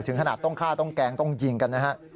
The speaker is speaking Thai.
ขนาดต้องฆ่าต้องแกล้งต้องยิงกันนะฮะ